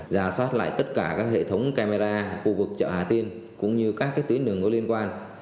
giả soát lại tất cả các hệ thống camera khu vực chợ hà tiên cũng như các tuyến đường có liên quan